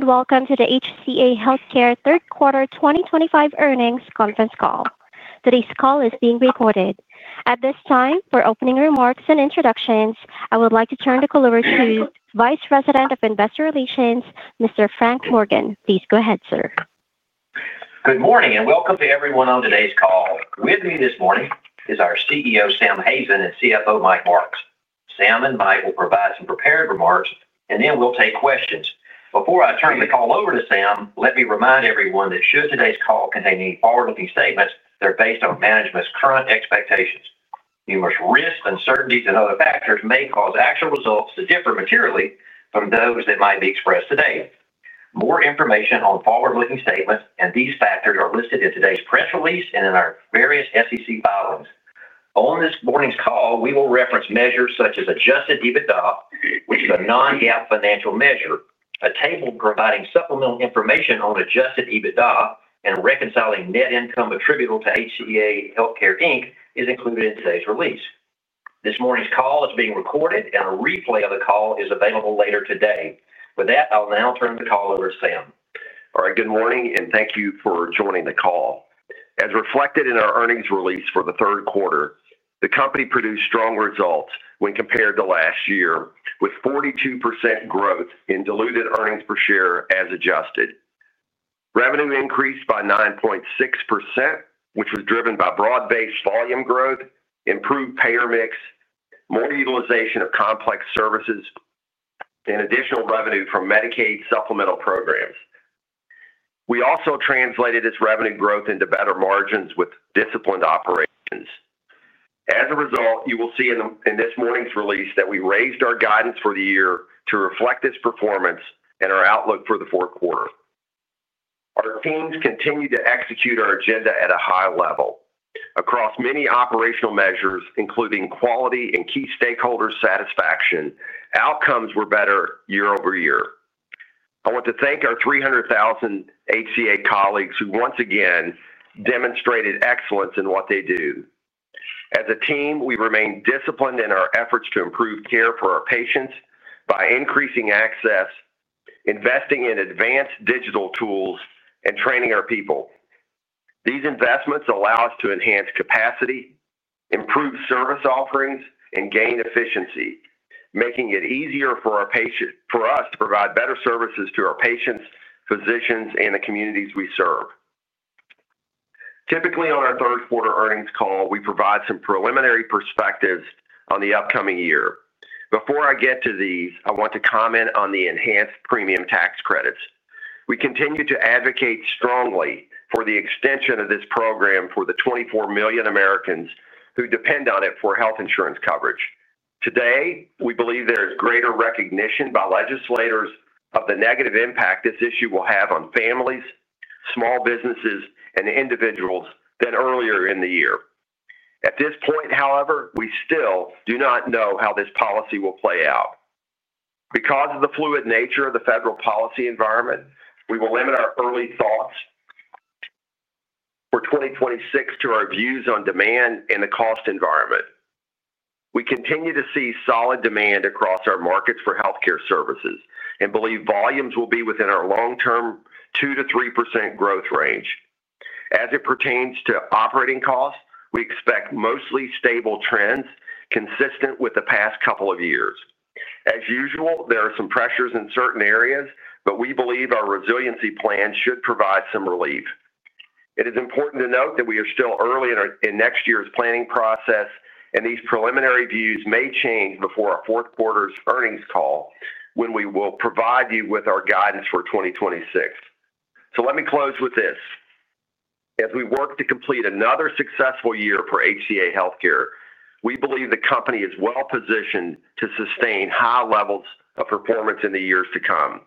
Hello, and welcome to the HCA Healthcare third quarter 2025 earnings conference call. Today's call is being recorded. At this time, for opening remarks and introductions, I would like to turn the call over to Vice President of Investor Relations, Mr. Frank Morgan. Please go ahead, sir. Good morning, and welcome to everyone on today's call. With me this morning is our CEO, Sam Hazen, and CFO, Mike Marks. Sam and Mike will provide some prepared remarks, and then we'll take questions. Before I turn the call over to Sam, let me remind everyone that should today's call contain any forward-looking statements, they're based on management's current expectations. Numerous risks, uncertainties, and other factors may cause actual results to differ materially from those that might be expressed today. More information on forward-looking statements and these factors are listed in today's press release and in our various SEC filings. On this morning's call, we will reference measures such as adjusted EBITDA, which is a non-GAAP financial measure. A table providing supplemental information on adjusted EBITDA and reconciling net income attributable to HCA Healthcare Inc is included in today's release. This morning's call is being recorded, and a replay of the call is available later today. With that, I'll now turn the call over to Sam. All right, good morning, and thank you for joining the call. As reflected in our earnings release for the third quarter, the company produced strong results when compared to last year, with 42% growth in diluted earnings per share as adjusted. Revenue increased by 9.6%, which was driven by broad-based volume growth, improved payer mix, more utilization of complex services, and additional revenue from Medicaid supplemental programs. We also translated this revenue growth into better margins with disciplined operations. As a result, you will see in this morning's release that we raised our guidance for the year to reflect this performance and our outlook for the fourth quarter. Our teams continued to execute our agenda at a high level. Across many operational measures, including quality and key stakeholders' satisfaction, outcomes were better year over year. I want to thank our 300,000 HCA colleagues who once again demonstrated excellence in what they do. As a team, we remain disciplined in our efforts to improve care for our patients by increasing access, investing in advanced digital tools, and training our people. These investments allow us to enhance capacity, improve service offerings, and gain efficiency, making it easier for our patients to provide better services to our patients, physicians, and the communities we serve. Typically, on our third quarter earnings call, we provide some preliminary perspectives on the upcoming year. Before I get to these, I want to comment on the enhanced premium tax credits. We continue to advocate strongly for the extension of this program for the 24 million Americans who depend on it for health insurance coverage. Today, we believe there is greater recognition by legislators of the negative impact this issue will have on families, small businesses, and individuals than earlier in the year. At this point, however, we still do not know how this policy will play out. Because of the fluid nature of the federal policy environment, we will limit our early thoughts for 2026 to our views on demand and the cost environment. We continue to see solid demand across our markets for healthcare services and believe volumes will be within our long-term 2%-3% growth range. As it pertains to operating costs, we expect mostly stable trends consistent with the past couple of years. As usual, there are some pressures in certain areas, but we believe our resiliency plan should provide some relief. It is important to note that we are still early in next year's planning process, and these preliminary views may change before our fourth quarter's earnings call when we will provide you with our guidance for 2026. Let me close with this. As we work to complete another successful year for HCA Healthcare, we believe the company is well-positioned to sustain high levels of performance in the years to come.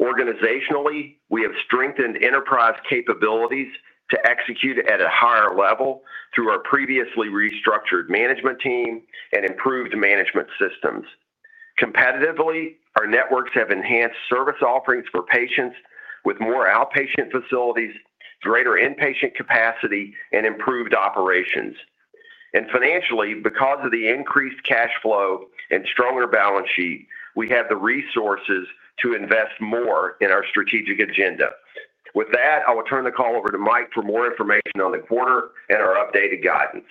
Organizationally, we have strengthened enterprise capabilities to execute at a higher level through our previously restructured management team and improved management systems. Competitively, our networks have enhanced service offerings for patients with more outpatient facilities, greater inpatient capacity, and improved operations. Financially, because of the increased cash flow and stronger balance sheet, we have the resources to invest more in our strategic agenda. With that, I will turn the call over to Mike for more information on the quarter and our updated guidance.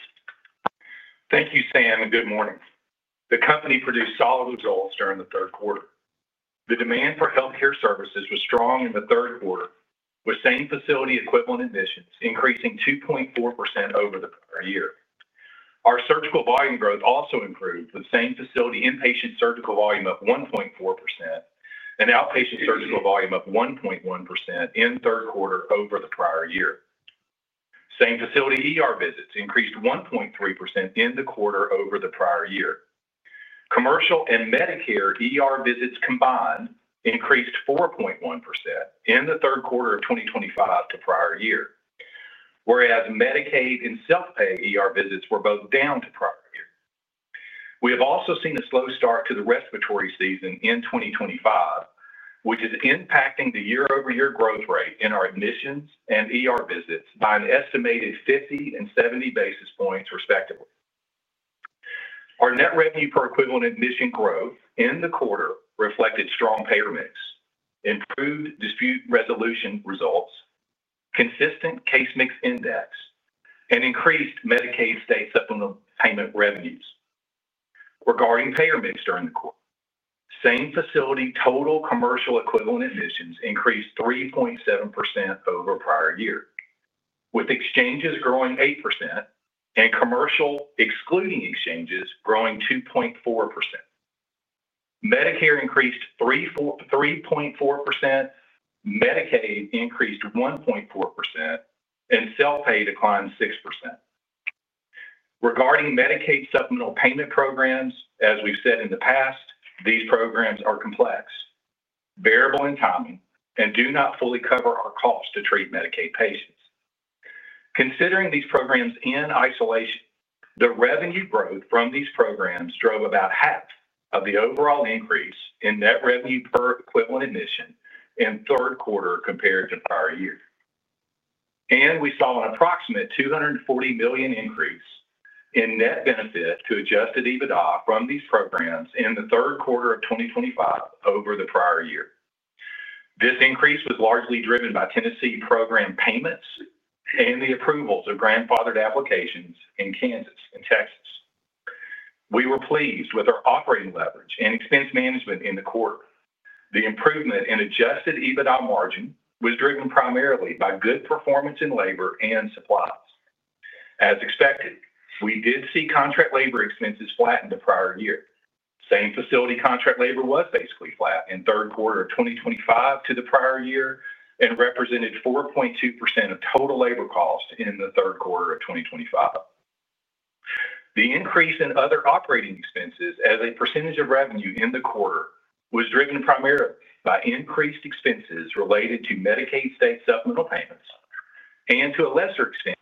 Thank you, Sam, and good morning. The company produced solid results during the third quarter. The demand for healthcare services was strong in the third quarter, with same-facility equivalent admissions increasing 2.4% over the prior year. Our surgical volume growth also improved, with same-facility inpatient surgical volume up 1.4% and outpatient surgical volume up 1.1% in the third quarter over the prior year. Same-facility visits increased 1.3% in the quarter over the prior year. Commercial and Medicare visits combined increased 4.1% in the third quarter of 2025 to prior year, whereas Medicaid and self-pay visits were both down to prior year. We have also seen a slow start to the respiratory season in 2025, which is impacting the year-over-year growth rate in our admissions and visits by an estimated 50 and 70 basis points, respectively. Our net revenue per equivalent admission growth in the quarter reflected strong payer mix, improved dispute resolution results, consistent case mix index, and increased Medicaid state supplement payment revenues. Regarding payer mix during the quarter, same-facility total commercial equivalent admissions increased 3.7% over prior year, with exchanges growing 8% and commercial excluding exchanges growing 2.4%. Medicare increased 3.4%, Medicaid increased 1.4%, and self-pay declined 6%. Regarding Medicaid supplemental payment programs, as we've said in the past, these programs are complex, variable in timing, and do not fully cover our cost to treat Medicaid patients. Considering these programs in isolation, the revenue growth from these programs drove about half of the overall increase in net revenue per equivalent admission in the third quarter compared to prior year. We saw an approximate $240 million increase in net benefit to adjusted EBITDA from these programs in the third quarter of 2025 over the prior year. This increase was largely driven by Tennessee program payments and the approvals of grandfathered applications in Kansas and Texas. We were pleased with our operating leverage and expense management in the quarter. The improvement in adjusted EBITDA margin was driven primarily by good performance in labor and supplies. As expected, we did see contract labor expenses flatten the prior year. Same-facility contract labor was basically flat in the third quarter of 2025 to the prior year and represented 4.2% of total labor cost in the third quarter of 2025. The increase in other operating expenses as a percentage of revenue in the quarter was driven primarily by increased expenses related to Medicaid state supplemental payments and to a lesser extent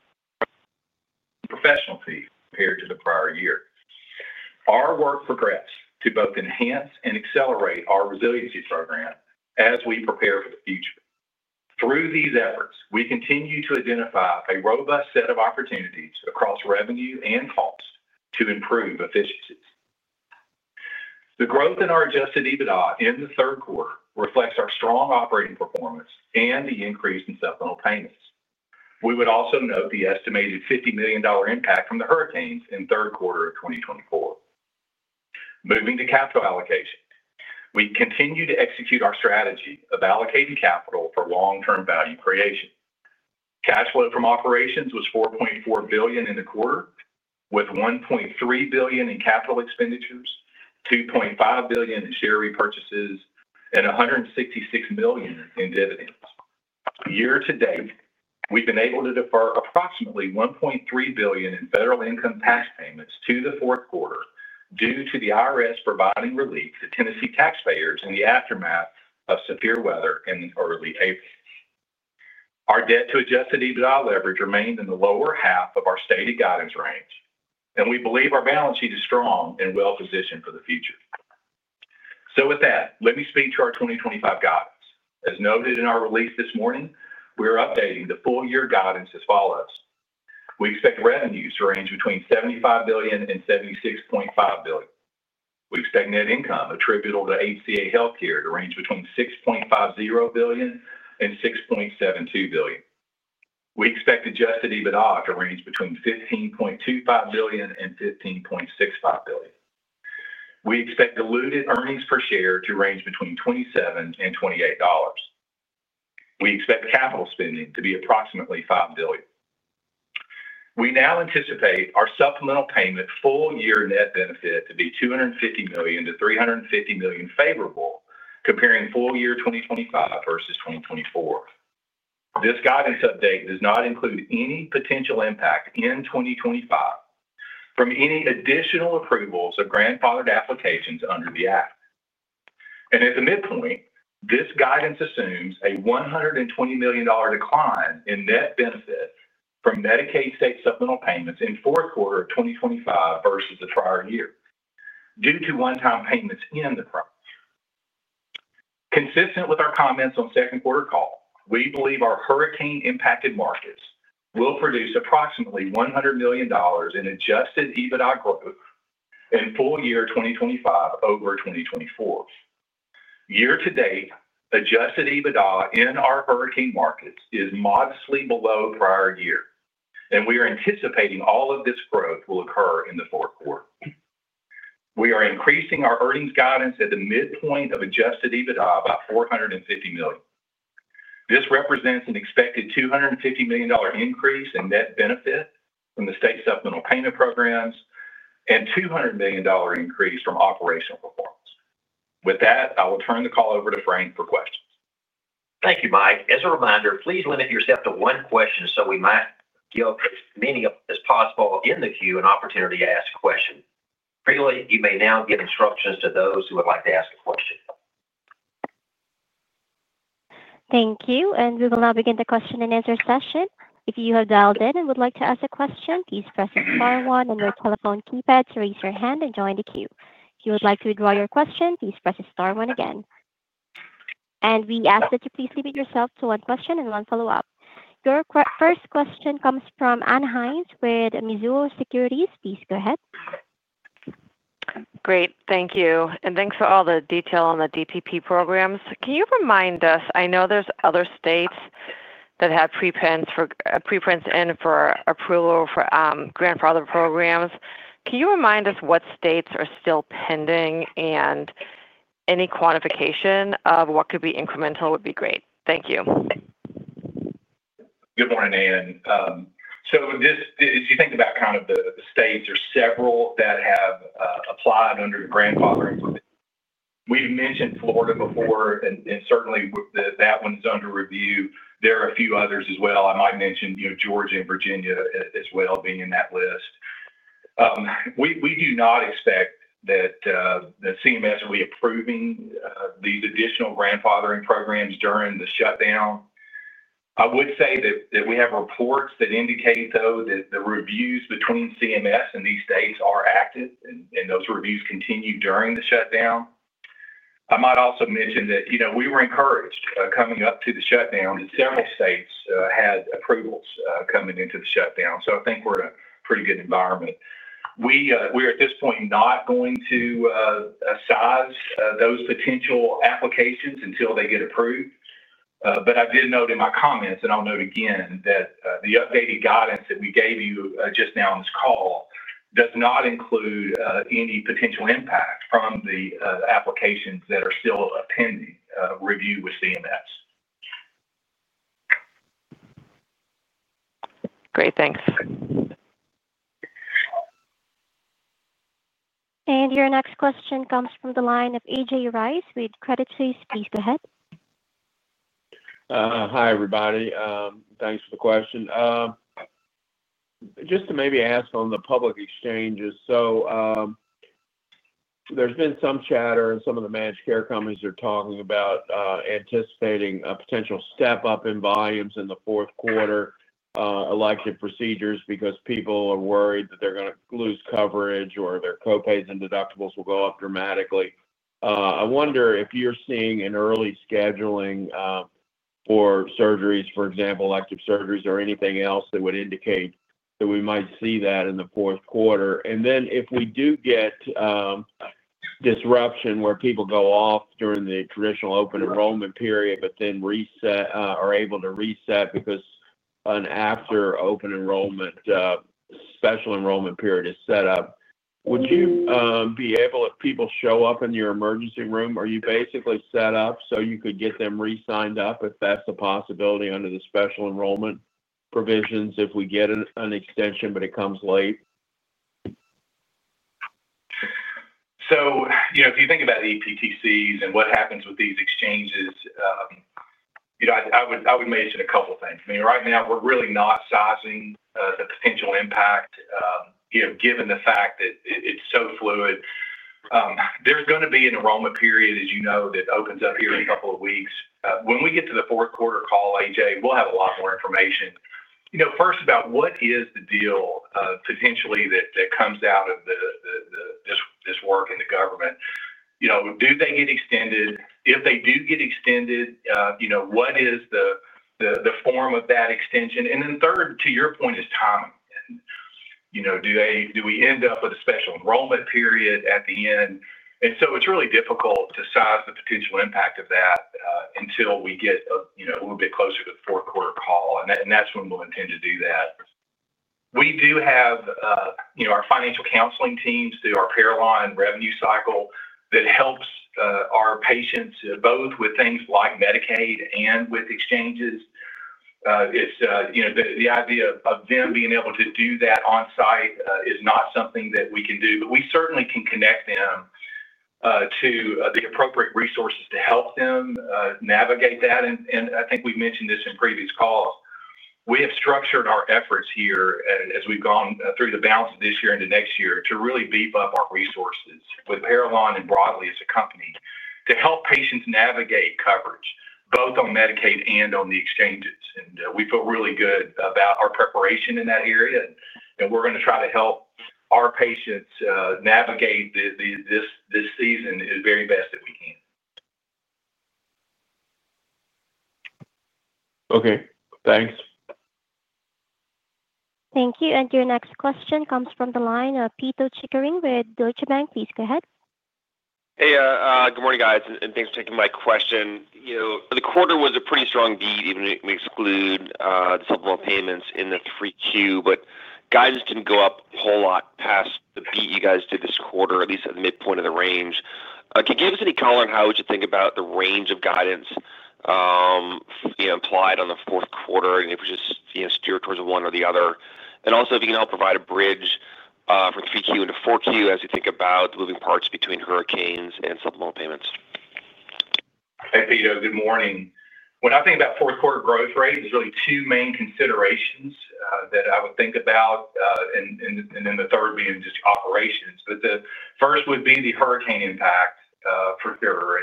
professional fees compared to the prior year. Our work progressed to both enhance and accelerate our resiliency program as we prepare for the future. Through these efforts, we continue to identify a robust set of opportunities across revenue and cost to improve efficiencies. The growth in our adjusted EBITDA in the third quarter reflects our strong operating performance and the increase in supplemental payments. We would also note the estimated $50 million impact from the hurricanes in the third quarter of 2024. Moving to capital allocation, we continue to execute our strategy of allocating capital for long-term value creation. Cash flow from operations was $4.4 billion in the quarter, with $1.3 billion in capital expenditures, $2.5 billion in share repurchases, and $166 million in dividends. Year to date, we've been able to defer approximately $1.3 billion in federal income tax payments to the fourth quarter due to the IRS providing relief to Tennessee taxpayers in the aftermath of severe weather in early April. Our debt to adjusted EBITDA leverage remained in the lower half of our stated guidance range, and we believe our balance sheet is strong and well-positioned for the future. With that, let me speak to our 2025 guidance. As noted in our release this morning, we are updating the full-year guidance as follows. We expect revenues to range between $75 billion and $76.5 billion. We expect net income attributable to HCA Healthcare to range between $6.50 billion and $6.72 billion. We expect adjusted EBITDA to range between $15.25 billion and $15.65 billion. We expect diluted earnings per share to range between $27 and $28. We expect capital spending to be approximately $5 billion. We now anticipate our supplemental payment full-year net benefit to be $250 million-$350 million favorable, comparing full-year 2025 versus 2024. This guidance update does not include any potential impact in 2025 from any additional approvals of grandfathered applications under the act. At the midpoint, this guidance assumes a $120 million decline in net benefit from Medicaid state supplemental payments in the fourth quarter of 2025 versus the prior year, due to one-time payments in the prior year. Consistent with our comments on the second quarter call, we believe our hurricane-impacted markets will produce approximately $100 million in adjusted EBITDA growth in full-year 2025 over 2024. Year to date, adjusted EBITDA in our hurricane markets is modestly below prior year, and we are anticipating all of this growth will occur in the fourth quarter. We are increasing our earnings guidance at the midpoint of adjusted EBITDA by $450 million. This represents an expected $250 million increase in net benefit from the state supplemental payment programs and a $200 million increase from operational performance. With that, I will turn the call over to Frank for questions. Thank you, Mike. As a reminder, please limit yourself to one question so we might give as many as possible in the queue an opportunity to ask a question. You may now give instructions to those who would like to ask a question. Thank you. We will now begin the question and answer session. If you have dialed in and would like to ask a question, please press the star one on your telephone keypad to raise your hand and join the queue. If you would like to withdraw your question, please press the star one again. We ask that you please limit yourself to one question and one follow-up. Your first question comes from Ann Hynes with Mizuho Securities. Please go ahead. Great, thank you. Thanks for all the detail on the DPP programs. Can you remind us, I know there's other states that have preprints in for approval for grandfathered programs. Can you remind us what states are still pending, and any quantification of what could be incremental would be great. Thank you. Good morning, Ann. When you think about kind of the states, there are several that have applied under the grandfathering provision. We've mentioned Florida before, and certainly that one is under review. There are a few others as well. I might mention Georgia and Virginia as well being in that list. We do not expect that the CMS will be approving these additional grandfathering programs during the shutdown. I would say that we have reports that indicate, though, that the reviews between CMS and these states are active, and those reviews continue during the shutdown. I might also mention that we were encouraged coming up to the shutdown that several states had approvals coming into the shutdown. I think we're in a pretty good environment. We are at this point not going to size those potential applications until they get approved. I did note in my comments, and I'll note again, that the updated guidance that we gave you just now on this call does not include any potential impact from the applications that are still pending review with CMS. Great, thanks. Your next question comes from the line of AJ Rice with Credit Suisse. Please go ahead. Hi, everybody. Thanks for the question. Just to maybe ask on the public exchanges, there's been some chatter, and some of the managed care companies are talking about anticipating a potential step up in volumes in the fourth quarter elective procedures because people are worried that they're going to lose coverage or their copays and deductibles will go up dramatically. I wonder if you're seeing an early scheduling for surgeries, for example, elective surgeries or anything else that would indicate that we might see that in the fourth quarter. If we do get disruption where people go off during the traditional open enrollment period, but then are able to reset because an after open enrollment special enrollment period is set up, would you be able if people show up in your emergency room? Are you basically set up so you could get them re-signed up if that's a possibility under the special enrollment provisions if we get an extension, but it comes late? If you think about the premium tax credits and what happens with these exchanges, I would mention a couple of things. Right now, we're really not sizing the potential impact, given the fact that it's so fluid. There's going to be an enrollment period, as you know, that opens up here in a couple of weeks. When we get to the fourth quarter call, AJ, we'll have a lot more information. First, about what is the deal potentially that comes out of this work in the government. Do they get extended? If they do get extended, what is the form of that extension? Third, to your point, is timing. Do we end up with a special enrollment period at the end? It's really difficult to size the potential impact of that until we get a little bit closer to the fourth quarter call, and that's when we'll intend to do that. We do have our financial counseling teams through our Parallon and revenue cycle that helps our patients both with things like Medicaid and with exchanges. The idea of them being able to do that on-site is not something that we can do, but we certainly can connect them to the appropriate resources to help them navigate that. I think we've mentioned this in previous calls. We have structured our efforts here as we've gone through the balance of this year into next year to really beef up our resources with Parallon and broadly as a company to help patients navigate coverage both on Medicaid and on the exchanges. We feel really good about our preparation in that area, and we're going to try to help our patients navigate this season as very best that we can. Okay, thanks. Thank you. Your next question comes from the line of Pito Chickering with Deutsche Bank. Please go ahead. Hey, good morning, guys, and thanks for taking my question. You know the quarter was a pretty strong beat, even if we exclude the supplemental payments in the 3Q, but guidance didn't go up a whole lot past the beat you guys did this quarter, at least at the midpoint of the range. Can you give us any color on how we should think about the range of guidance, you know, implied on the fourth quarter? If we should just, you know, steer towards one or the other. Also, if you can help provide a bridge from 3Q into 4Q as we think about moving parts between hurricanes and supplemental payments. Thank you. Good morning. When I think about fourth quarter growth rate, there's really two main considerations that I would think about, and then the third being just operations. The first would be the hurricane impact for sure.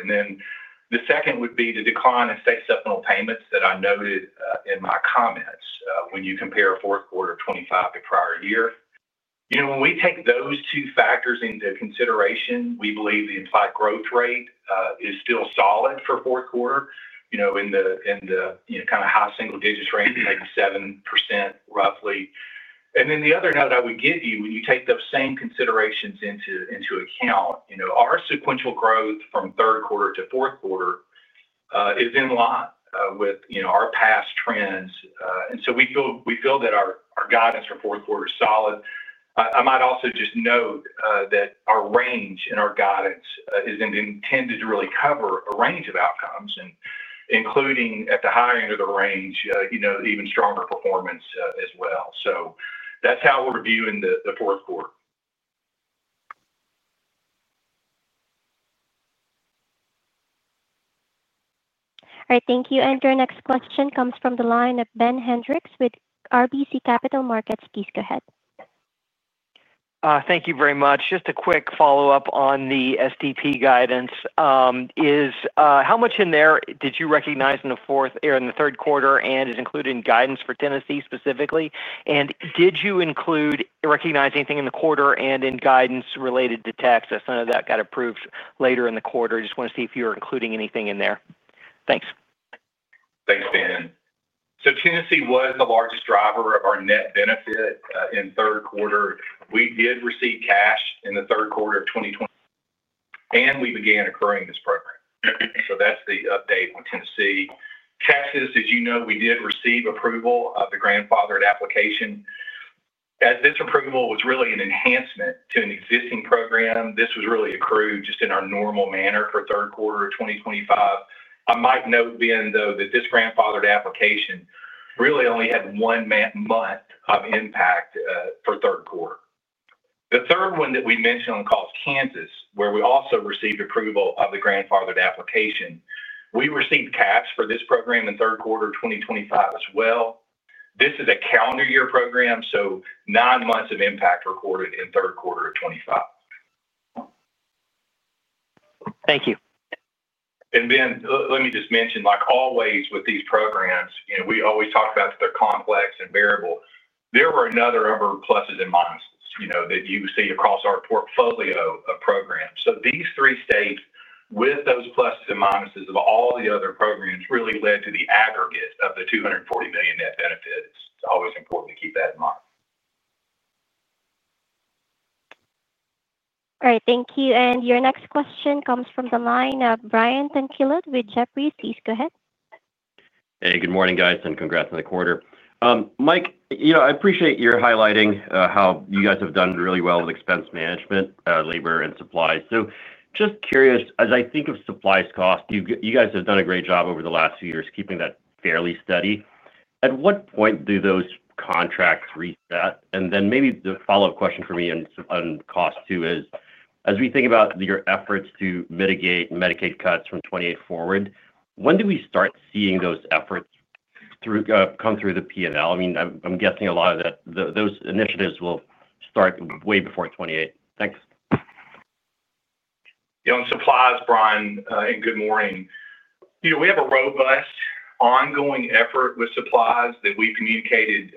The second would be the decline in state supplemental payments that I noted in my comments when you compare a fourth quarter of 2025 to prior year. You know, when we take those two factors into consideration, we believe the implied growth rate is still solid for fourth quarter, you know, in the kind of high single-digits range, maybe 7% roughly. The other note I would give you, when you take those same considerations into account, you know, our sequential growth from third quarter to fourth quarter is in line with, you know, our past trends. We feel that our guidance for fourth quarter is solid. I might also just note that our range in our guidance isn't intended to really cover a range of outcomes, and including at the higher end of the range, you know, even stronger performance as well. That's how we're viewing the fourth quarter. All right, thank you. Your next question comes from the line of Ben Hendrix with RBC Capital Markets. Please go ahead. Thank you very much. Just a quick follow-up on the STP guidance. How much in there did you recognize in the fourth or in the third quarter and is included in guidance for Tennessee specifically? Did you include or recognize anything in the quarter and in guidance related to Texas? I know that got approved later in the quarter. I just want to see if you were including anything in there. Thanks. Thanks, Ben. Tennessee was the largest driver of our net benefit in the third quarter. We did receive cash in the third quarter of 2020, and we began accruing this program. That's the update on Tennessee. Texas, as you know, we did receive approval of the grandfathered application. As this approval was really an enhancement to an existing program, this was really accrued just in our normal manner for the third quarter of 2025. I might note, Ben, that this grandfathered application really only had one month of impact for the third quarter. The third one that we mentioned on cost, Kansas, where we also received approval of the grandfathered application, we received caps for this program in the third quarter of 2025 as well. This is a calendar year program, so nine months of impact recorded in the third quarter of 2025. Thank you. Let me just mention, like always with these programs, you know, we always talk about that they're complex and variable. There were a number of pluses and minuses, you know, that you would see across our portfolio of programs. These three states, with those pluses and minuses of all the other programs, really led to the aggregate of the $240 million net benefit. It's always important to keep that in mind. All right, thank you. Your next question comes from the line of Brian Tanquilut with Jefferies. Please go ahead. Hey, good morning, guys, and congrats on the quarter. Mike, I appreciate your highlighting how you guys have done really well with expense management, labor, and supplies. Just curious, as I think of supplies cost, you guys have done a great job over the last few years keeping that fairly steady. At what point do those contracts reset? Maybe the follow-up question for me on cost, too, is as we think about your efforts to mitigate Medicaid cuts from 2028 forward, when do we start seeing those efforts come through the P&L? I'm guessing a lot of those initiatives will start way before 2028. Thanks. Yeah, on supplies, Brian, and good morning. We have a robust ongoing effort with supplies that we've communicated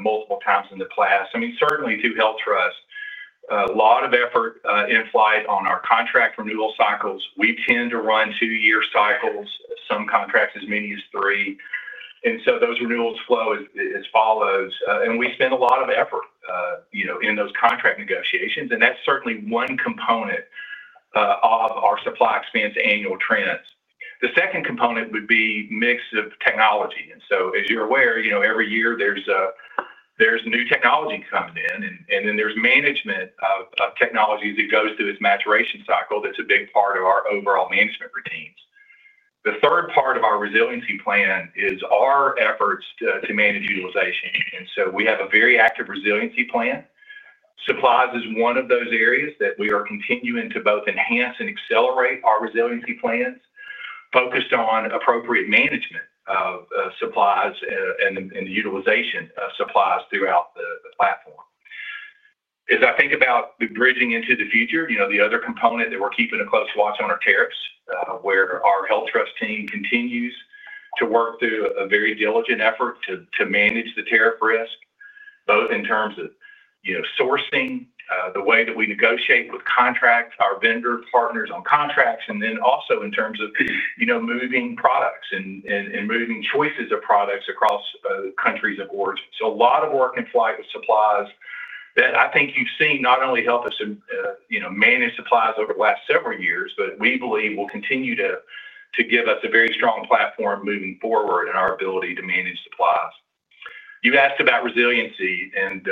multiple times in the past. Certainly to HealthTrust, a lot of effort in flight on our contract renewal cycles. We tend to run two-year cycles, some contracts as many as three. Those renewals flow as follows, and we spend a lot of effort in those contract negotiations. That's certainly one component of our supply expense annual trends. The second component would be a mix of technology. As you're aware, every year there's new technology coming in, and then there's management of technology that goes through its maturation cycle. That's a big part of our overall management routines. The third part of our resiliency plan is our efforts to manage utilization. We have a very active resiliency plan. Supplies is one of those areas that we are continuing to both enhance and accelerate our resiliency plans, focused on appropriate management of supplies and the utilization of supplies throughout the platform. As I think about bridging into the future, the other component that we're keeping a close watch on are tariffs, where our HealthTrust team continues to work through a very diligent effort to manage the tariff risk, both in terms of sourcing, the way that we negotiate with contracts, our vendor partners on contracts, and then also in terms of moving products and moving choices of products across countries of origin. A lot of work in flight with supplies that I think you've seen not only help us manage supplies over the last several years, but we believe will continue to give us a very strong platform moving forward in our ability to manage supplies. You asked about resiliency, and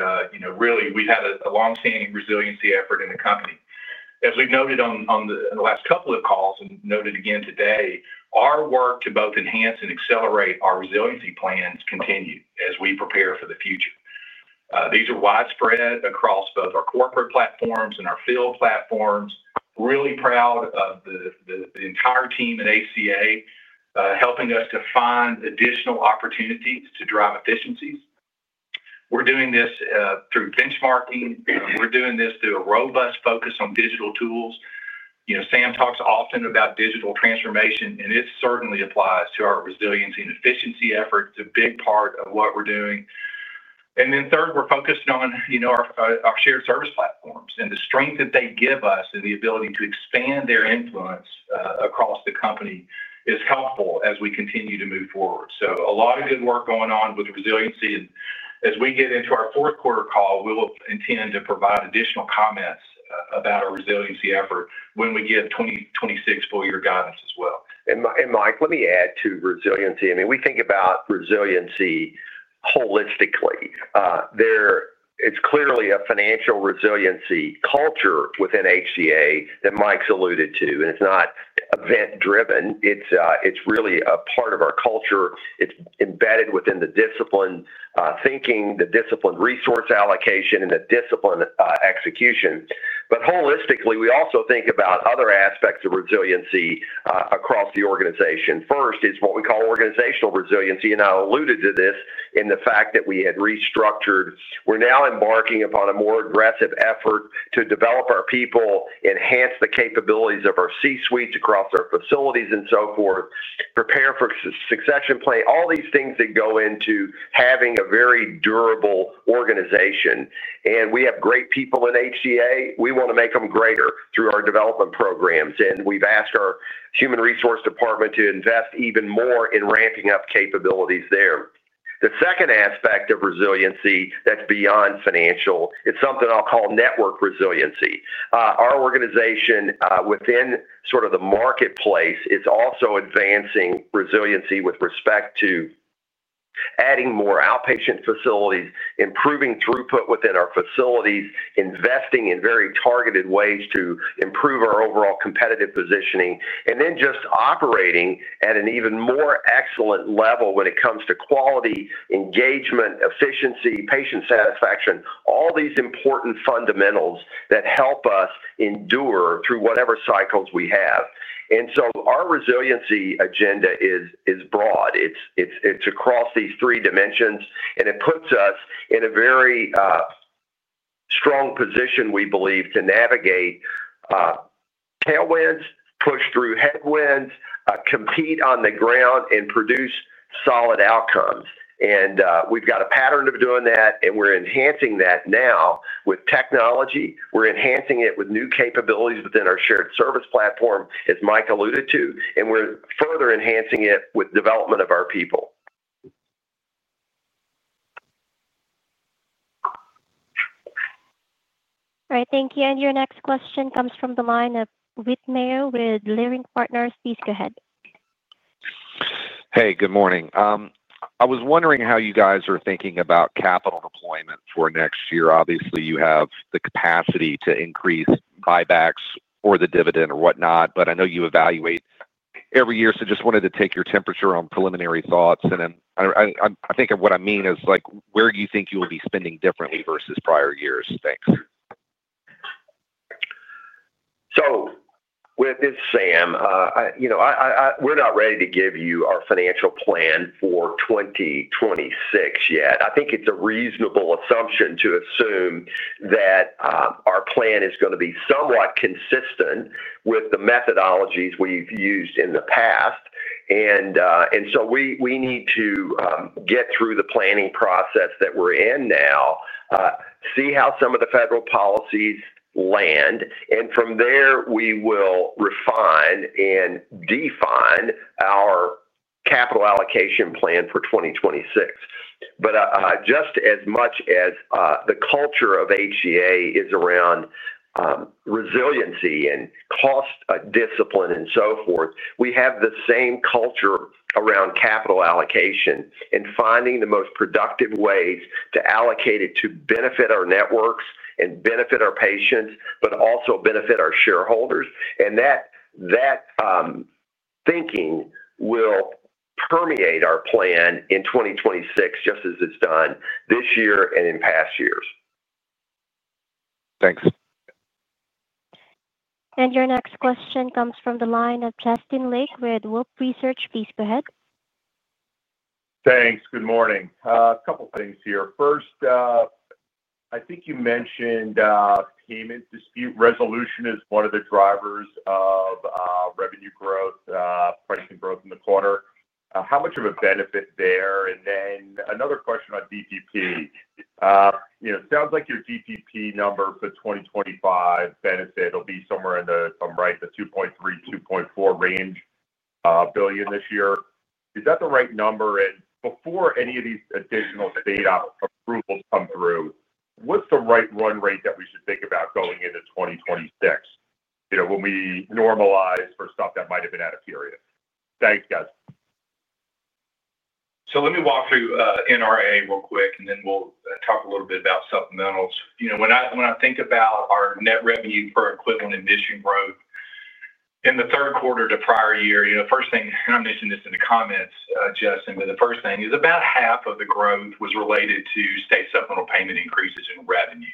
we've had a longstanding resiliency effort in the company. As we've noted on the last couple of calls and noted again today, our work to both enhance and accelerate our resiliency plans continues as we prepare for the future. These are widespread across both our corporate platforms and our field platforms. Really proud of the entire team at HCA helping us to find additional opportunities to drive efficiencies. We're doing this through benchmarking. We're doing this through a robust focus on digital tools. Sam talks often about digital transformation, and it certainly applies to our resiliency and efficiency efforts. It's a big part of what we're doing. Third, we're focused on our shared service platforms. The strength that they give us and the ability to expand their influence across the company is helpful as we continue to move forward. A lot of good work is going on with resiliency. As we get into our fourth quarter call, we will intend to provide additional comments about our resiliency effort when we get 2026 full-year guidance as well. Mike, let me add to resiliency. We think about resiliency holistically. There is clearly a financial resiliency culture within HCA that Mike's alluded to. It's not event-driven. It's really a part of our culture. It's embedded within the discipline thinking, the discipline resource allocation, and the discipline execution. Holistically, we also think about other aspects of resiliency across the organization. First is what we call organizational resiliency. I alluded to this in the fact that we had restructured. We're now embarking upon a more aggressive effort to develop our people, enhance the capabilities of our C-suites across our facilities, and so forth, prepare for succession play, all these things that go into having a very durable organization. We have great people in HCA. We want to make them greater through our development programs. We've asked our Human Resource department to invest even more in ramping up capabilities there. The second aspect of resiliency that's beyond financial is something I'll call network resiliency. Our organization within the marketplace is also advancing resiliency with respect to adding more outpatient facilities, improving throughput within our facilities, investing in very targeted ways to improve our overall competitive positioning, and operating at an even more excellent level when it comes to quality, engagement, efficiency, patient satisfaction, all these important fundamentals that help us endure through whatever cycles we have. Our resiliency agenda is broad. It's across these three dimensions, and it puts us in a very strong position, we believe, to navigate tailwinds, push through headwinds, compete on the ground, and produce solid outcomes. We've got a pattern of doing that, and we're enhancing that now with technology. We're enhancing it with new capabilities within our shared service platform, as Mike alluded to, and we're further enhancing it with the development of our people. All right, thank you. Your next question comes from the line of Whit Mayo with Leerink Partners. Please go ahead. Hey, good morning. I was wondering how you guys are thinking about capital deployment for next year. Obviously, you have the capacity to increase buybacks or the dividend or whatnot. I know you evaluate every year, so just wanted to take your temperature on preliminary thoughts. I think what I mean is like where do you think you will be spending differently versus prior years. Thanks. With this, [Sam], you know we're not ready to give you our financial plan for 2026 yet. I think it's a reasonable assumption to assume that our plan is going to be somewhat consistent with the methodologies we've used in the past. We need to get through the planning process that we're in now, see how some of the federal policies land, and from there, we will refine and define our capital allocation plan for 2026. Just as much as the culture of HCA is around resiliency and cost discipline and so forth, we have the same culture around capital allocation and finding the most productive ways to allocate it to benefit our networks and benefit our patients, but also benefit our shareholders. That thinking will permeate our plan in 2026, just as it's done this year and in past years. Thanks. Your next question comes from the line of Justin Lake with Wolfe Research. Please go ahead. Thanks. Good morning. A couple of things here. First, I think you mentioned payment dispute resolution is one of the drivers of revenue growth, pricing growth in the quarter. How much of a benefit there? Another question on DPP. It sounds like your DPP number for 2025 benefit will be somewhere in the, if I'm right, the $2.3 billion-$2.4 billion range this year. Is that the right number? Before any of these additional state approvals come through, what's the right run rate that we should think about going into 2026? When we normalize for stuff that might have been out of period. Thanks, guys. Let me walk through NRA real quick, and then we'll talk a little bit about supplementals. When I think about our net revenue per equivalent admission growth in the third quarter to prior year, the first thing, and I mentioned this in the comments, Justin, but the first thing is about half of the growth was related to state supplemental payment increases in revenue.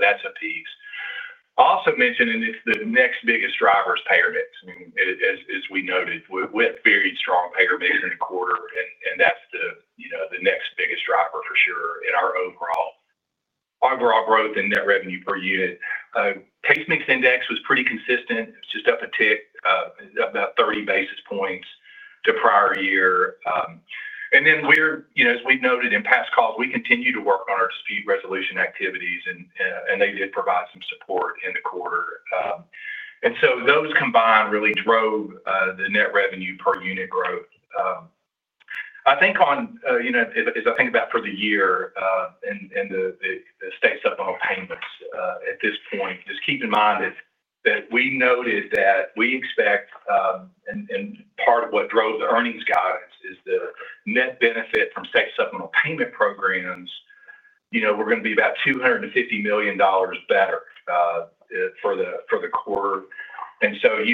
That's a piece. I also mentioned, and it's the next biggest driver, is payer mix. As we noted, we have a very strong payer mix in the quarter, and that's the next biggest driver for sure in our overall growth in net revenue per unit. Case mix index was pretty consistent. It was just up a tick, about 30 basis points to prior year. As we've noted in past calls, we continue to work on our dispute resolution activities, and they did provide some support in the quarter. Those combined really drove the net revenue per unit growth. As I think about for the year and the state supplemental payments at this point, just keep in mind that we noted that we expect, and part of what drove the earnings guidance is the net benefit from state supplemental payment programs. We're going to be about $250 million better for the quarter. If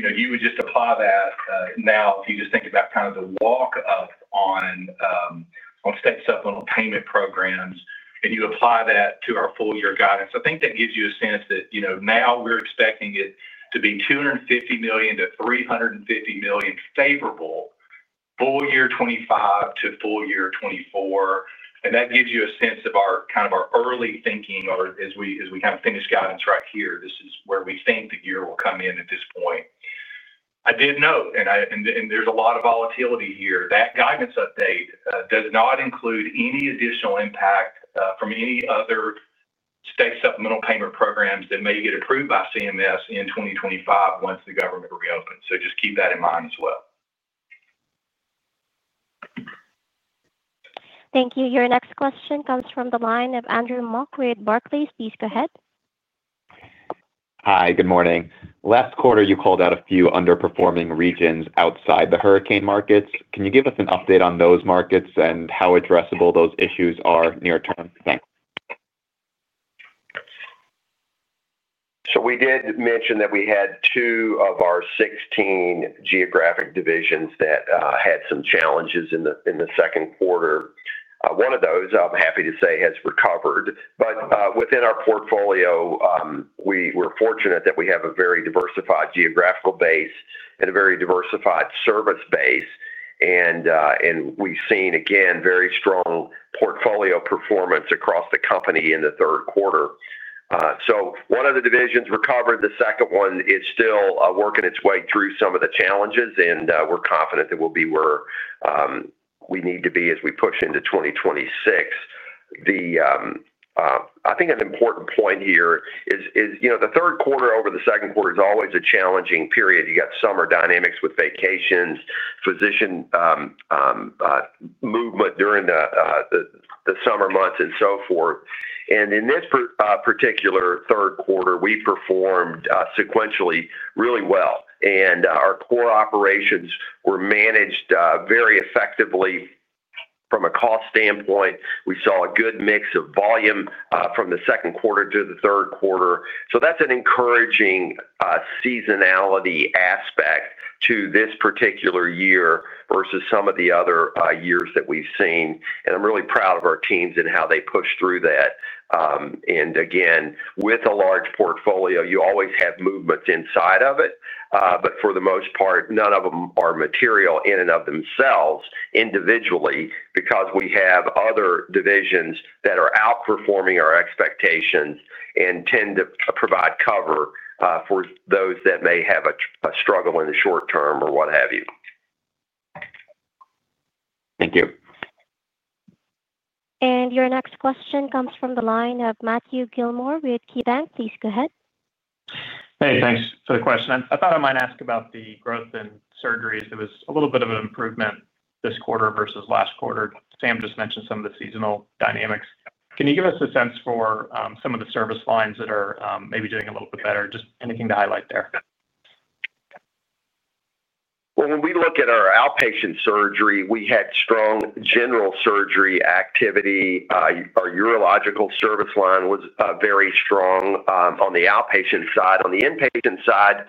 you just think about kind of the walk-up on state supplemental payment programs, and you apply that to our full-year guidance, I think that gives you a sense that now we're expecting it to be $250 million-$350 million favorable full year 2025 to full year 2024. That gives you a sense of our kind of our early thinking or as we kind of finish guidance right here. This is where we think the year will come in at this point. I did note, and there's a lot of volatility here, that guidance update does not include any additional impact from any other state supplemental payment programs that may get approved by CMS in 2025 once the government reopens. Just keep that in mind as well. Thank you. Your next question comes from the line of Andrew Mok with Barclays. Please go ahead. Hi, good morning. Last quarter, you called out a few underperforming regions outside the hurricane markets. Can you give us an update on those markets and how addressable those issues are near term? We did mention that we had two of our 16 geographic divisions that had some challenges in the second quarter. One of those, I'm happy to say, has recovered. Within our portfolio, we're fortunate that we have a very diversified geographical base and a very diversified service base. We've seen, again, very strong portfolio performance across the company in the third quarter. One of the divisions recovered. The second one is still working its way through some of the challenges, and we're confident that we'll be where we need to be as we push into 2026. I think an important point here is, you know, the third quarter over the second quarter is always a challenging period. You've got summer dynamics with vacations, physician movement during the summer months, and so forth. In this particular third quarter, we performed sequentially really well. Our core operations were managed very effectively from a cost standpoint. We saw a good mix of volume from the second quarter to the third quarter. That's an encouraging seasonality aspect to this particular year versus some of the other years that we've seen. I'm really proud of our teams and how they pushed through that. With a large portfolio, you always have movements inside of it. For the most part, none of them are material in and of themselves individually because we have other divisions that are outperforming our expectations and tend to provide cover for those that may have a struggle in the short term or what have you. Thank you. Your next question comes from the line of Matthew Gillmor with KeyBanc. Please go ahead. Hey, thanks for the question. I thought I might ask about the growth in surgeries. There was a little bit of an improvement this quarter versus last quarter. Sam just mentioned some of the seasonal dynamics. Can you give us a sense for some of the service lines that are maybe doing a little bit better? Just anything to highlight there. When we look at our outpatient surgery, we had strong general surgery activity. Our urological service line was very strong on the outpatient side. On the inpatient side,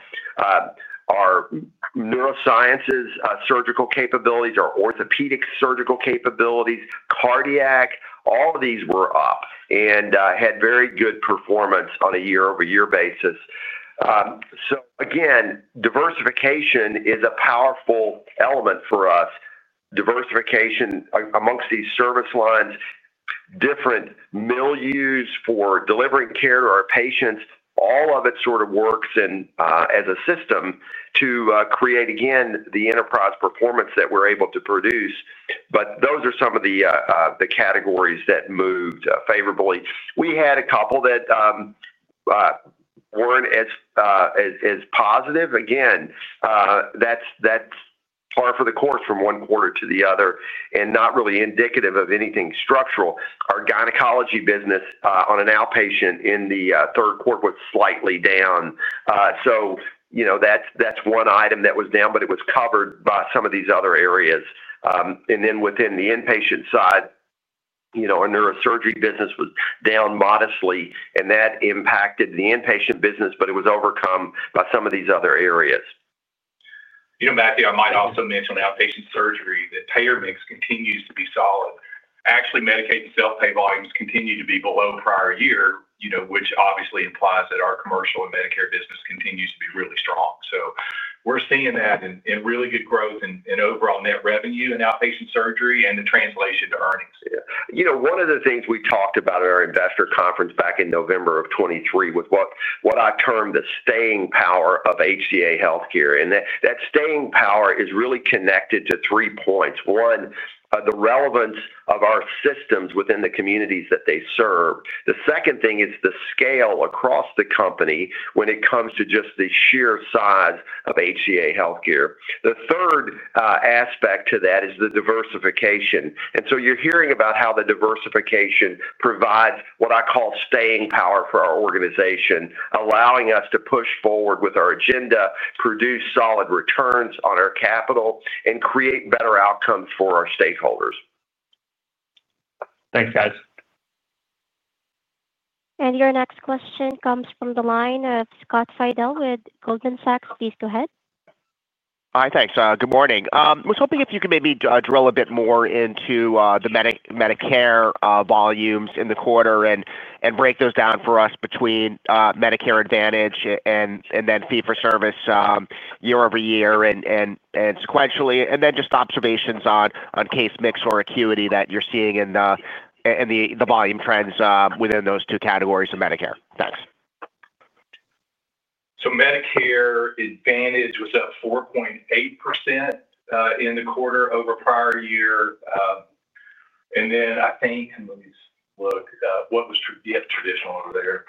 our neurosciences surgical capabilities, our orthopedic surgical capabilities, cardiac, all of these were up and had very good performance on a year-over-year basis. Diversification is a powerful element for us. Diversification amongst these service lines, different milieus for delivering care to our patients, all of it sort of works as a system to create, again, the enterprise performance that we're able to produce. Those are some of the categories that moved favorably. We had a couple that weren't as positive. That's par for the course from one quarter to the other and not really indicative of anything structural. Our gynecology business on an outpatient in the third quarter was slightly down. That's one item that was down, but it was covered by some of these other areas. Within the inpatient side, our neurosurgery business was down modestly, and that impacted the inpatient business, but it was overcome by some of these other areas. Matthew, I might also mention on the outpatient surgery that payer mix continues to be solid. Actually, Medicaid and self-pay volumes continue to be below prior year, which obviously implies that our commercial and Medicare business continues to be really strong. We're seeing that in really good growth in overall net revenue in outpatient surgery and the translation to earnings. Yeah. You know, one of the things we talked about at our investor conference back in November of 2023 was what I termed the staying power of HCA Healthcare. That staying power is really connected to three points. One, the relevance of our systems within the communities that they serve. The second thing is the scale across the company when it comes to just the sheer size of HCA Healthcare. The third aspect to that is the diversification. You're hearing about how the diversification provides what I call staying power for our organization, allowing us to push forward with our agenda, produce solid returns on our capital, and create better outcomes for our stakeholders. Thanks, guys. Your next question comes from the line of Scott Fidel with Goldman Sachs. Please go ahead. Hi, thanks. Good morning. I was hoping if you could maybe drill a bit more into the Medicare volumes in the quarter and break those down for us between Medicare Advantage and then fee-for-service year-over-year and sequentially, and then just observations on case mix or acuity that you're seeing in the volume trends within those two categories of Medicare. Thanks. Medicare Advantage was up 4.8% in the quarter over prior year. I think, let me look, what was the traditional over there?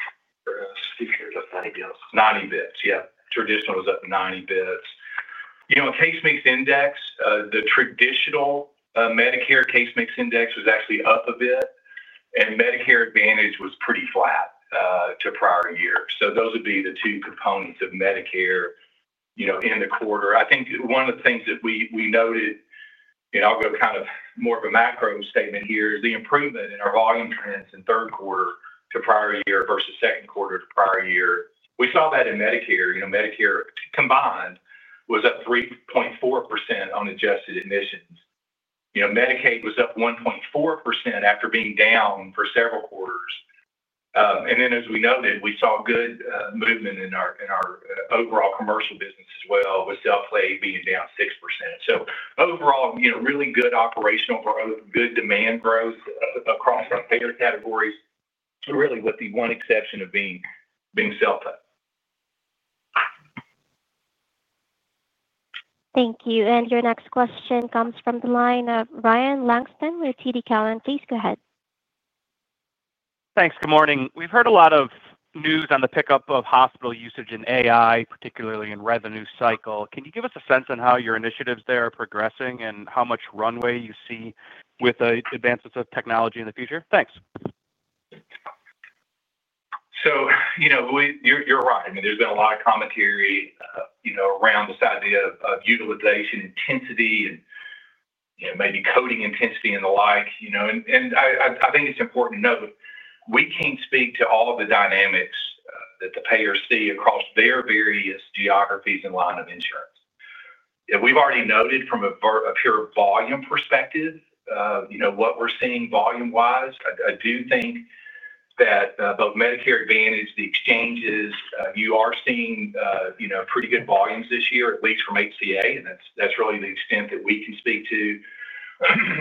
60%. 90%. Yeah, traditional was up 90%. In case mix index, the traditional Medicare case mix index was actually up a bit, and Medicare Advantage was pretty flat to prior year. Those would be the two components of Medicare in the quarter. I think one of the things that we noted, and I'll go kind of more of a macro statement here, is the improvement in our volume trends in third quarter to prior year versus second quarter to prior year. We saw that in Medicare. Medicare combined was up 3.4% on adjusted admissions. Medicaid was up 1.4% after being down for several quarters. As we noted, we saw good movement in our overall commercial business as well, with self-pay being down 6%. Overall, really good operational growth, good demand growth across our payer categories, really with the one exception of being self-pay. Thank you. Your next question comes from the line of Ryan Langston with TD Cowen. Please go ahead. Thanks. Good morning. We've heard a lot of news on the pickup of hospital usage in AI, particularly in revenue cycle. Can you give us a sense on how your initiatives there are progressing and how much runway you see with the advancements of technology in the future? Thanks. You're right. I mean, there's been a lot of commentary around this idea of utilization intensity and maybe coding intensity and the like. I think it's important to note we can't speak to all of the dynamics that the payers see across their various geographies and lines of insurance. We've already noted from a pure volume perspective what we're seeing volume-wise. I do think that both Medicare Advantage, the exchanges, you are seeing pretty good volumes this year, at least from HCA, and that's really the extent that we can speak to.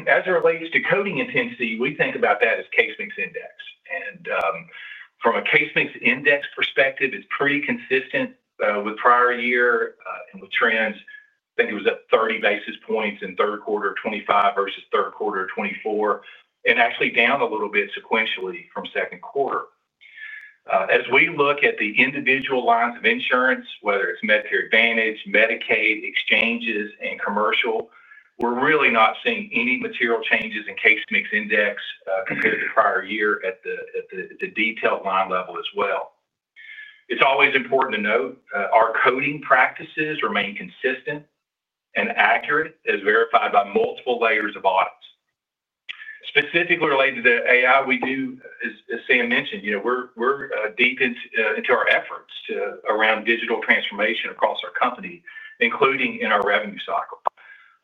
As it relates to coding intensity, we think about that as case mix index. From a case mix index perspective, it's pretty consistent with prior year and with trends. I think it was up 30 basis points in third quarter of 2025 versus third quarter of 2024, and actually down a little bit sequentially from second quarter. As we look at the individual lines of insurance, whether it's Medicare Advantage, Medicaid, exchanges, and commercial, we're really not seeing any material changes in case mix index compared to prior year at the detailed line level as well. It's always important to note our coding practices remain consistent and accurate, as verified by multiple layers of audits. Specifically related to AI, as Sam mentioned, we're deep into our efforts around digital transformation across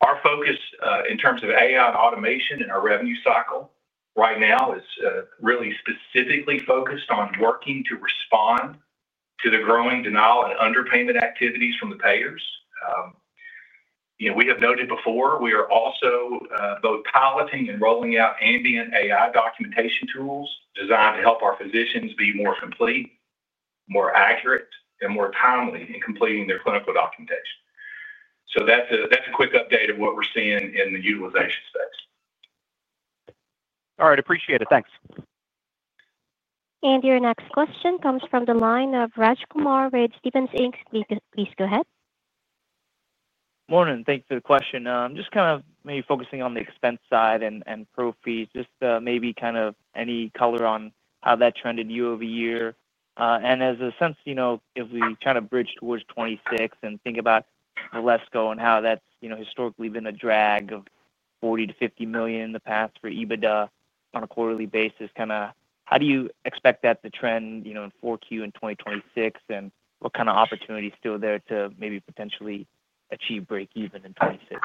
our company, including in our revenue cycle. Our focus in terms of AI and automation in our revenue cycle right now is really specifically focused on working to respond to the growing denial and underpayment activities from the payers. We have noted before, we are also both piloting and rolling out ambient AI documentation tools designed to help our physicians be more complete, more accurate, and more timely in completing their clinical documentation. That's a quick update of what we're seeing in the utilization space. All right, appreciate it. Thanks. Your next question comes from the line of Raj Kumar with Stephens Inc. Please go ahead. Morning. Thanks for the question. I'm just kind of maybe focusing on the expense side and pro fees, just maybe kind of any color on how that trended year over year. As a sense, you know, as we try to bridge towards 2026 and think about the less go and how that's, you know, historically been a drag of $40 million-$50 million in the past for EBITDA on a quarterly basis, kind of how do you expect that to trend, you know, in 4Q in 2026 and what kind of opportunities still there to maybe potentially achieve break even in 2026?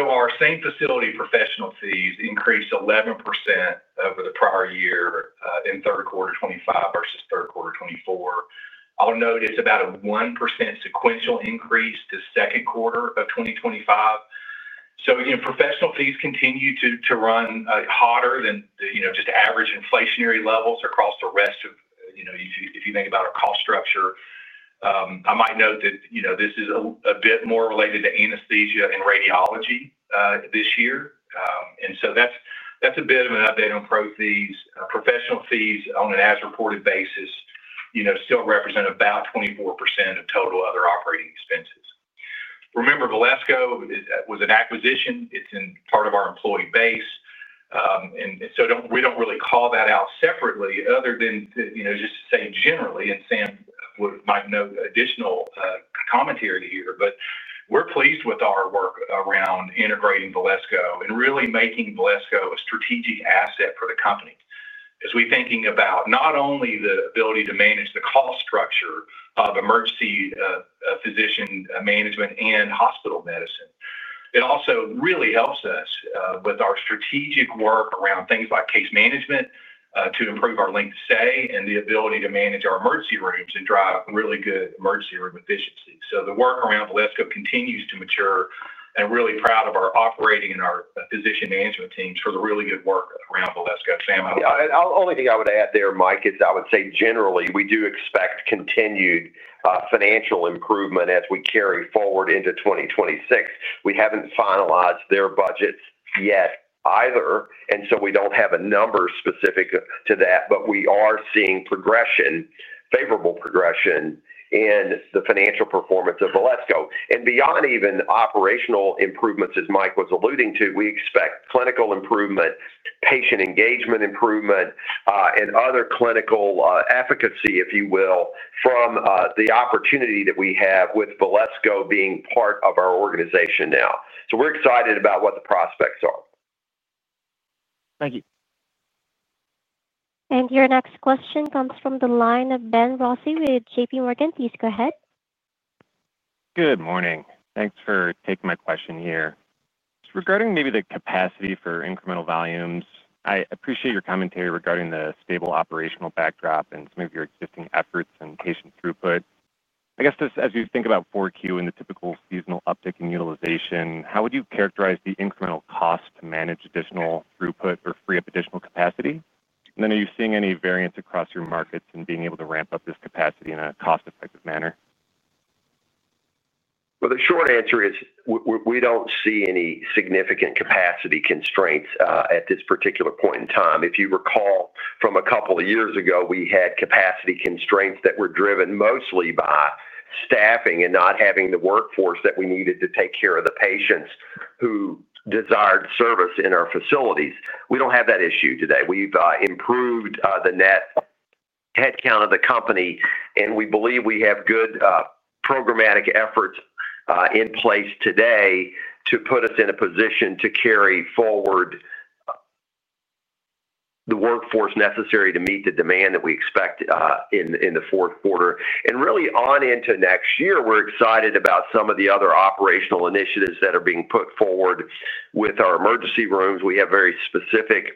Our same-facility professional fees increased 11% over the prior year in third quarter 2025 versus third quarter 2024. It's about a 1% sequential increase to second quarter of 2025. Professional fees continue to run hotter than just average inflationary levels across the rest of our cost structure. This is a bit more related to anesthesia and radiology this year. That's a bit of an update on pro fees. Professional fees on an as-reported basis still represent about 24% of total other operating expenses. Remember, Valesco was an acquisition. It's part of our employee base. We don't really call that out separately other than to say generally, and Sam might note additional commentary here, but we're pleased with our work around integrating Valesco and really making Valesco a strategic asset for the company. As we're thinking about not only the ability to manage the cost structure of emergency physician management and hospital medicine, it also really helps us with our strategic work around things like case management to improve our length of stay and the ability to manage our emergency rooms and drive really good emergency room efficiency. The work around Valesco continues to mature, and I'm really proud of our operating and our physician management teams for the really good work around Valesco. Sam, I don't know. The only thing I would add there, Mike, is I would say generally we do expect continued financial improvement as we carry forward into 2026. We haven't finalized their budgets yet either, and we don't have a number specific to that, but we are seeing progression, favorable progression in the financial performance of Valesco. Beyond even operational improvements, as Mike was alluding to, we expect clinical improvement, patient engagement improvement, and other clinical efficacy, if you will, from the opportunity that we have with Valesco being part of our organization now. We're excited about what the prospects are. Thank you. Your next question comes from the line of Ben Rossi with JPMorgan. Please go ahead. Good morning. Thanks for taking my question here. Regarding maybe the capacity for incremental volumes, I appreciate your commentary regarding the stable operational backdrop and some of your existing efforts and patient throughput. I guess just as you think about 4Q and the typical seasonal uptick in utilization, how would you characterize the incremental cost to manage additional throughput or free up additional capacity? Are you seeing any variance across your markets in being able to ramp up this capacity in a cost-effective manner? We don't see any significant capacity constraints at this particular point in time. If you recall from a couple of years ago, we had capacity constraints that were driven mostly by staffing and not having the workforce that we needed to take care of the patients who desired service in our facilities. We don't have that issue today. We've improved the net headcount of the company, and we believe we have good programmatic efforts in place today to put us in a position to carry forward the workforce necessary to meet the demand that we expect in the fourth quarter. Really on into next year, we're excited about some of the other operational initiatives that are being put forward with our emergency rooms. We have very specific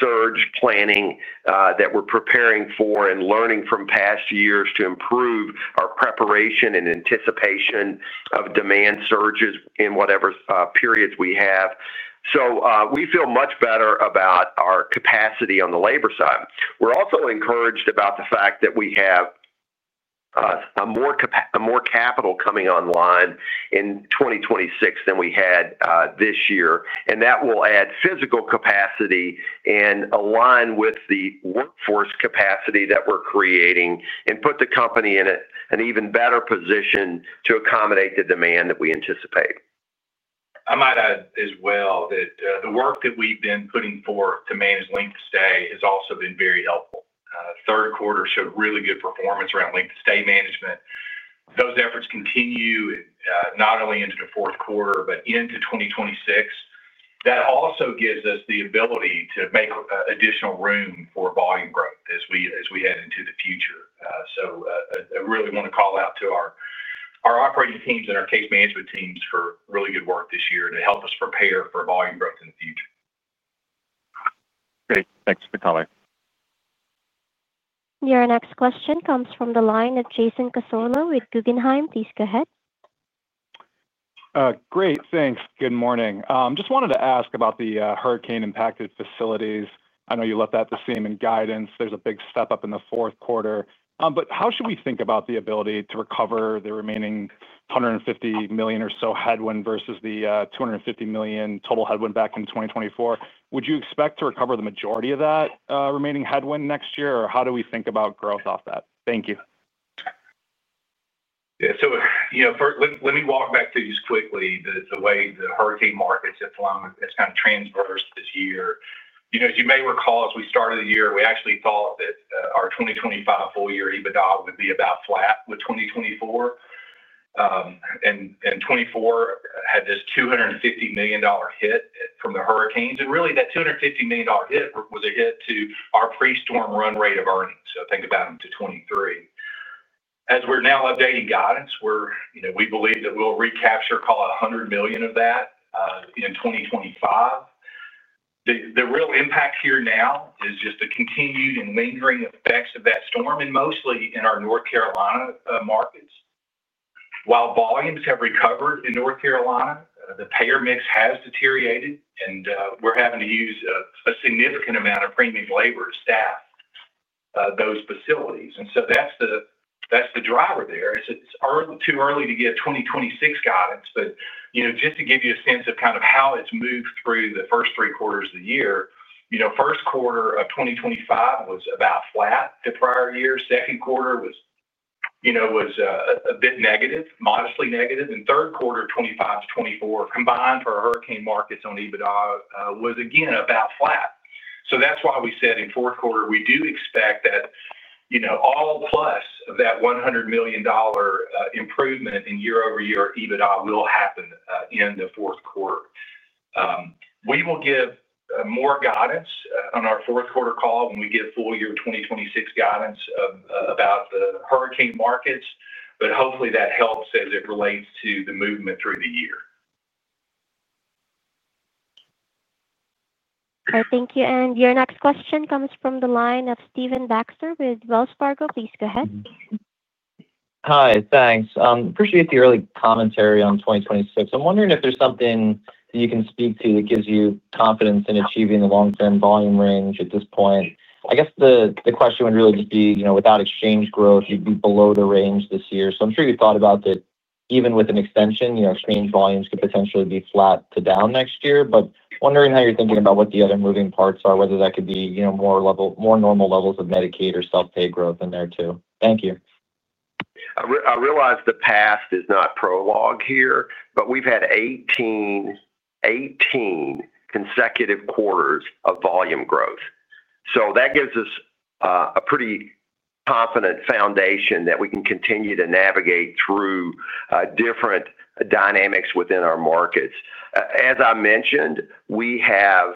surge planning that we're preparing for and learning from past years to improve our preparation and anticipation of demand surges in whatever periods we have. We feel much better about our capacity on the labor side. We're also encouraged about the fact that we have more capital coming online in 2026 than we had this year. That will add physical capacity and align with the workforce capacity that we're creating and put the company in an even better position to accommodate the demand that we anticipate. I might add as well that the work that we've been putting forth to manage length of stay has also been very helpful. Third quarter showed really good performance around length of stay management. Those efforts continue not only into the fourth quarter, but into 2026. That also gives us the ability to make additional room for volume growth as we head into the future. I really want to call out to our operating teams and our case management teams for really good work this year to help us prepare for volume growth in the future. Great. Thanks for the comment. Your next question comes from the line of Jason Cassorla with Guggenheim. Please go ahead. Great, thanks. Good morning. I just wanted to ask about the hurricane-impacted facilities. I know you left that to see in guidance. There's a big step up in the fourth quarter. How should we think about the ability to recover the remaining $150 million or so headwind versus the $250 million total headwind back in 2024? Would you expect to recover the majority of that remaining headwind next year, or how do we think about growth off that? Thank you. Yeah, so first let me walk back to these quickly, the way the hurricane markets have flown. It's kind of transversed this year. As you may recall, as we started the year, we actually thought that our 2025 full-year EBITDA would be about flat with 2024. 2024 had this $250 million hit from the hurricanes. That $250 million hit was a hit to our pre-storm run rate of earnings. Think about them to 2023. As we're now updating guidance, we believe that we'll recapture, call it, $100 million of that in 2025. The real impact here now is just the continued and lingering effects of that storm, mostly in our North Carolina markets. While volumes have recovered in North Carolina, the payer mix has deteriorated, and we're having to use a significant amount of premium labor to staff those facilities. That's the driver there. It's too early to get 2026 guidance, but just to give you a sense of how it's moved through the first three quarters of the year, first quarter of 2025 was about flat to prior year. Second quarter was a bit negative, modestly negative. Third quarter 2025 to 2024 combined for hurricane markets on EBITDA was again about flat. That's why we said in fourth quarter, we do expect that all plus of that $100 million improvement in year-over-year EBITDA will happen in the fourth quarter. We will give more guidance on our fourth quarter call when we give full-year 2026 guidance about the hurricane markets, but hopefully that helps as it relates to the movement through the year. All right, thank you. Your next question comes from the line of Stephen Baxter with Wells Fargo. Please go ahead. Hi, thanks. I appreciate the early commentary on 2026. I'm wondering if there's something that you can speak to that gives you confidence in achieving the long-term volume range at this point. I guess the question would really just be, you know, without exchange growth, you'd be below the range this year. I'm sure you thought about that even with an extension, you know, exchange volumes could potentially be flat to down next year, but wondering how you're thinking about what the other moving parts are, whether that could be, you know, more level, more normal levels of Medicaid or self-pay growth in there too. Thank you. I realize the past is not prologue here, but we've had 18 consecutive quarters of volume growth. That gives us a pretty confident foundation that we can continue to navigate through different dynamics within our markets. As I mentioned, we have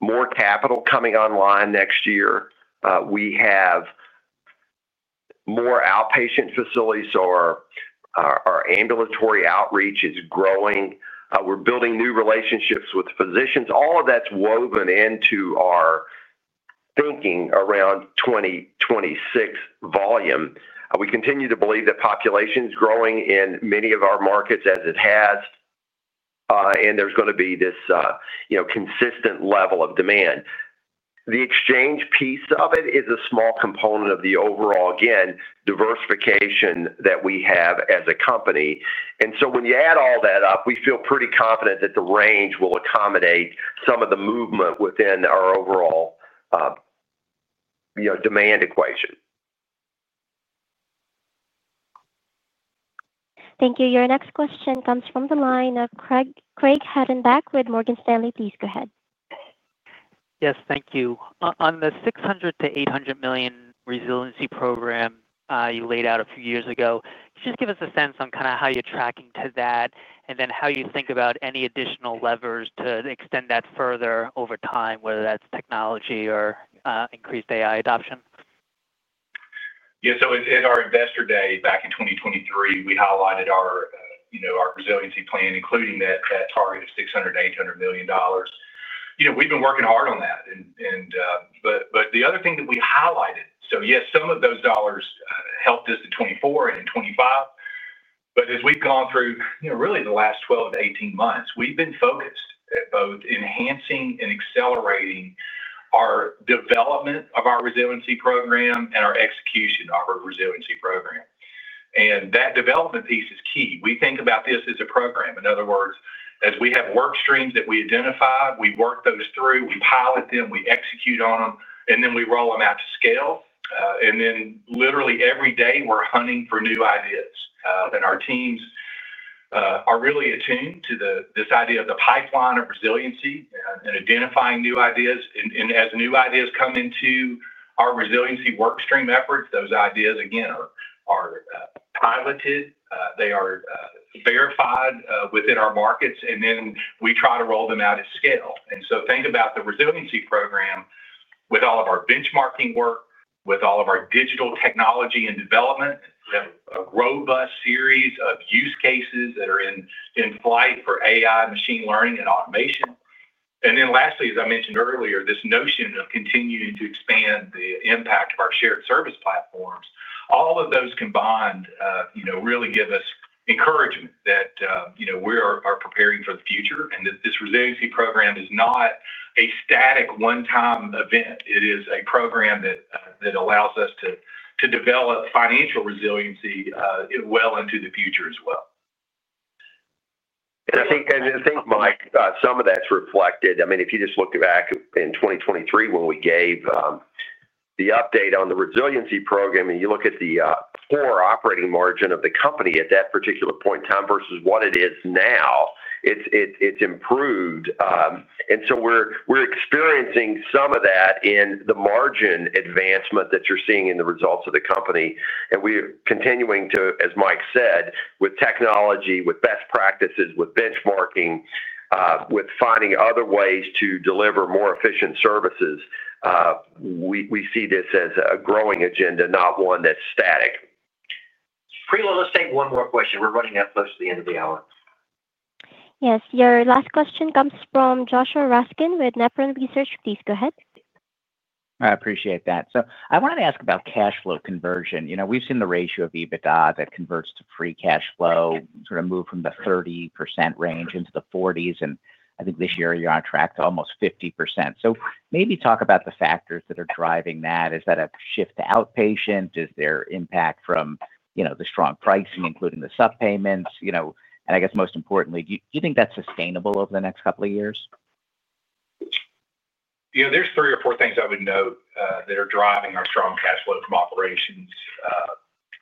more capital coming online next year. We have more outpatient facilities, so our ambulatory outreach is growing. We're building new relationships with physicians. All of that's woven into our thinking around 2026 volume. We continue to believe that population is growing in many of our markets as it has, and there's going to be this consistent level of demand. The exchange piece of it is a small component of the overall, again, diversification that we have as a company. When you add all that up, we feel pretty confident that the range will accommodate some of the movement within our overall demand equation. Thank you. Your next question comes from the line of Craig Hettenbach with Morgan Stanley. Please go ahead. Yes, thank you. On the $600 million-$800 million resiliency program you laid out a few years ago, could you just give us a sense on kind of how you're tracking to that and then how you think about any additional levers to extend that further over time, whether that's technology or increased AI adoption? Yeah, at our investor day back in 2023, we highlighted our resiliency plan, including that target of $600 million-$800 million. We've been working hard on that. The other thing that we highlighted, yes, some of those dollars helped us in 2024 and in 2025, but as we've gone through really the last 12-18 months, we've been focused at both enhancing and accelerating our development of our resiliency program and our execution of our resiliency program. That development piece is key. We think about this as a program. In other words, as we have work streams that we identify, we work those through, we pilot them, we execute on them, and then we roll them out to scale. Literally every day we're hunting for new ideas. Our teams are really attuned to this idea of the pipeline of resiliency and identifying new ideas. As new ideas come into our resiliency work stream efforts, those ideas, again, are piloted. They are verified within our markets, and then we try to roll them out at scale. Think about the resiliency program with all of our benchmarking work, with all of our digital technology and development. We have a robust series of use cases that are in flight for AI, machine learning, and automation. Lastly, as I mentioned earlier, this notion of continuing to expand the impact of our shared service platforms, all of those combined really give us encouragement that we are preparing for the future and that this resiliency program is not a static one-time event. It is a program that allows us to develop financial resiliency well into the future as well. I think, Mike, some of that's reflected. If you just look back in 2023 when we gave the update on the resiliency program and you look at the core operating margin of the company at that particular point in time versus what it is now, it's improved. We're experiencing some of that in the margin advancement that you're seeing in the results of the company. We're continuing to, as Mike said, with technology, with best practices, with benchmarking, with finding other ways to deliver more efficient services. We see this as a growing agenda, not one that's static. Let's take one more question. We're running up close to the end of the hour. Yes, your last question comes from Joshua Raskin with Nephron Research. Please go ahead. I appreciate that. I wanted to ask about cash flow conversion. We've seen the ratio of EBITDA that converts to free cash flow move from the 30% range into the 40% range, and I think this year you're on track to almost 50%. Maybe talk about the factors that are driving that. Is that a shift to outpatient? Is there impact from the strong pricing, including the subpayments? I guess most importantly, do you think that's sustainable over the next couple of years? Yeah, there are three or four things I would note that are driving our strong cash flow from operations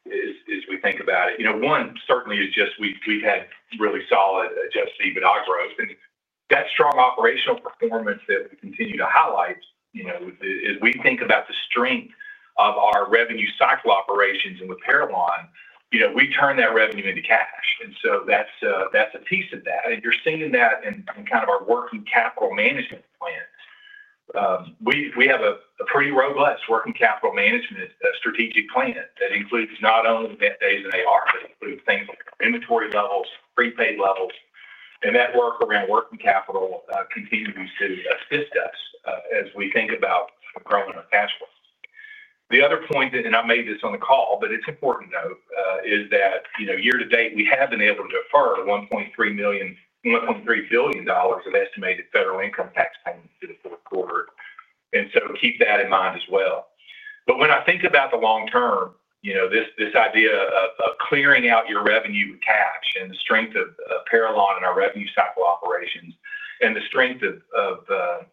as we think about it. One certainly is just we've had really solid adjusted EBITDA growth, and that strong operational performance that we continue to highlight as we think about the strength of our revenue cycle operations and with Parallon, we turn that revenue into cash. That's a piece of that, and you're seeing that in our working capital management plans. We have a pretty robust working capital management strategic plan that includes not only the Band-Aids and AR, but includes things like inventory levels, prepaid levels, and that work around working capital continues to assist us as we think about growing our cash flow. The other point, and I made this on the call, but it's important to note, is that year to date, we have been able to defer $1.3 billion of estimated federal income tax payments to the fourth quarter. Keep that in mind as well. When I think about the long term, this idea of clearing out your revenue with cash and the strength of Parallon in our revenue cycle operations and the strength of the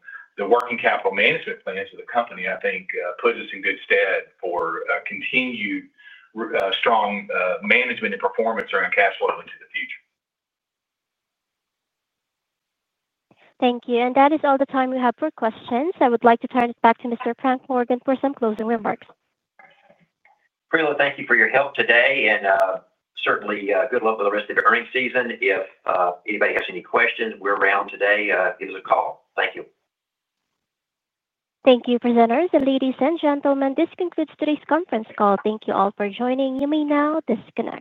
working capital management plans of the company, I think, puts us in good stead for continued strong management and performance around cash flow into the future. Thank you. That is all the time we have for questions. I would like to turn it back to Mr. Frank Morgan for some closing remarks. Priya, thank you for your help today. Certainly, good luck with the rest of your earnings season. If anybody has any questions, we're around today. Give us a call. Thank you. Thank you, presenters, ladies, and gentlemen. This concludes today's conference call. Thank you all for joining. You may now disconnect.